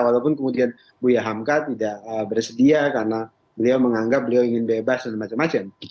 walaupun kemudian buya hamka tidak bersedia karena beliau menganggap beliau ingin bebas dan macam macam